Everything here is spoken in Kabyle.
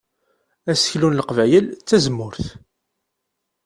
Aseklu n Leqbayel d tazemmurt.